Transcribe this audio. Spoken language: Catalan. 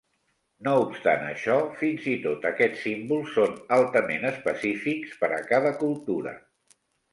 No obstant això, fins i tot aquests símbols són altament específics per a cada cultura.